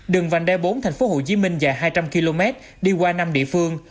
đường vành đai bốn tp hcm dài hai trăm linh km đi qua năm địa phương